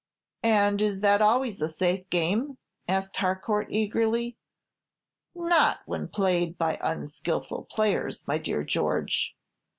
"And is that always a safe game?" asked Harcourt, eagerly. "Not when played by unskilful players, my dear George.